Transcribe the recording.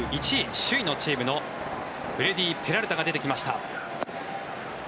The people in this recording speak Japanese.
首位のチームのフレディ・ペラルタが出てきました。